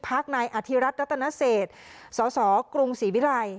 พักนายอธิรัตน์นัตตนเศสสสกรุงศรีวิรัย